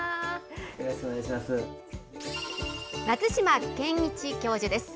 松島憲一教授です。